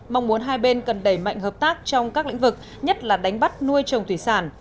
mong muốn hai bên cần đẩy mạnh hợp tác trong các lĩnh vực nhất là đánh bắt nuôi trồng thủy sản